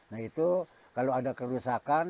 nah itu kalau ada kerusakan